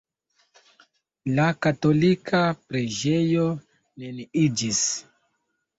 La katolika preĝejo neniiĝis.